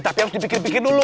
tapi harus dipikir pikir dulu